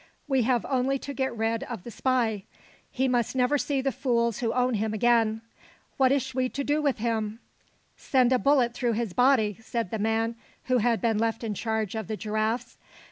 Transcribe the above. We have only to get rid of the spy. He must never see the fools who own him, again. What ish we to do with him?" "Send a bullet through his body," said the man who had been left in charge of the giraffes.